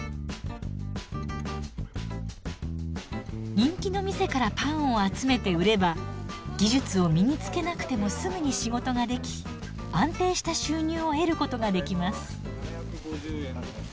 人気の店からパンを集めて売れば技術を身につけなくてもすぐに仕事ができ安定した収入を得ることができます。